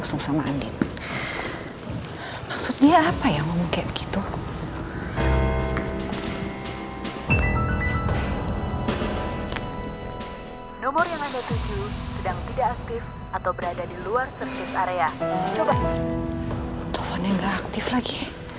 teleponnya nggak aktif lagi